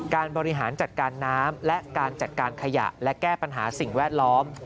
บริหารจัดการน้ำและการจัดการขยะและแก้ปัญหาสิ่งแวดล้อม